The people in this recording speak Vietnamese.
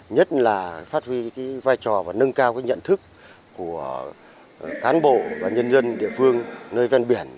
nhất là phát huy vai trò và nâng cao nhận thức của cán bộ và nhân dân địa phương nơi ven biển